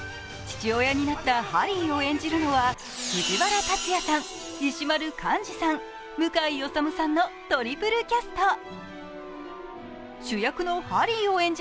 父親になったハリーを演じるのは藤原竜也さん、石丸幹二さん、向井理さんのトリプルキャスト。